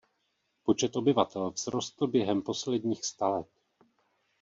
Počet obyvatel vzrostl během posledních sta let.